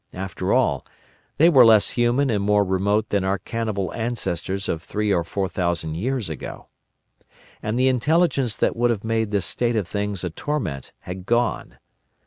After all, they were less human and more remote than our cannibal ancestors of three or four thousand years ago. And the intelligence that would have made this state of things a torment had gone.